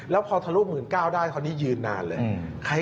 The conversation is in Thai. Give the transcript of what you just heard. แล้วพอทะลุ๑๙๐๐ได้คราวนี้ยืนนานเลย